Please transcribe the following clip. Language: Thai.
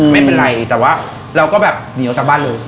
ไม่เป็นไรแต่ว่าเราก็แบบหนีออกจากบ้านเลย